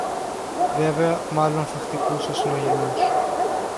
Βέβαια μάλλον θα χτυπούσε ο συναγερμός